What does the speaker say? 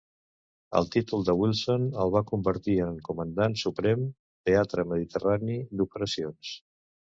El títol de Wilson es va convertir en Comandant Suprem, Teatre Mediterrani d'Operacions.